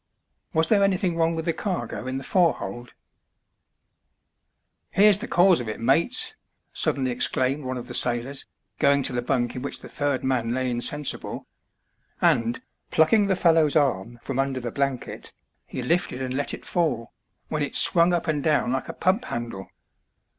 Was there anything wrong with the cargo in the forehold ?*' Here's the cause of it, mates !" suddenly exclaimed one of the sailors, going to the bunk in which the third man lay insensible; and, plucking the fellow's arm from under the blanket, he lifted and let it fall, when it swung up and down like a pump handle.